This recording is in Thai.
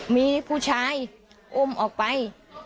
มีผู้ชายอุ้มออกไป